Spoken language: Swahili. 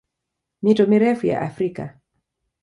Mito mirefu ya Afrika